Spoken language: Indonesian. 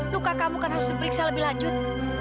luka kamu kan harus diperiksa lebih lanjut